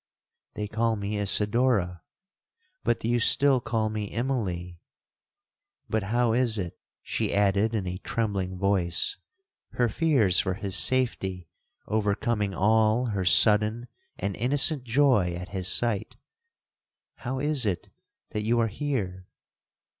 '—'They call me Isidora, but do you still call me Immalee. But how is it,' she added in a trembling voice,—her fears for his safety overcoming all her sudden and innocent joy at his sight—'how is it that you are here?